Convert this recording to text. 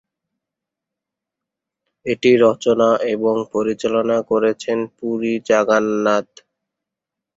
এটি রচনা এবং পরিচালনা করেছেন পুরি জাগান্নাধ।